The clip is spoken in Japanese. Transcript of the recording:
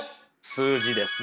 数字ですね